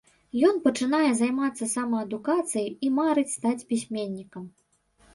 Ён пачынае займацца самаадукацыяй і марыць стаць пісьменнікам.